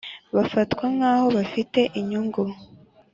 bafatwa nk aho bafite inyungu